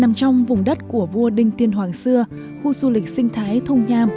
nằm trong vùng đất của vua đinh tiên hoàng xưa khu du lịch sinh thái thung nham